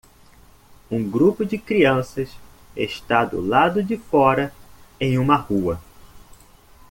Um grupo de crianças está do lado de fora em uma rua.